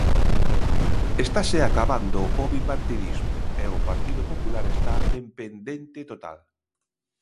Estase acabando o bipartidismo e o Partido Popular está en pendente total.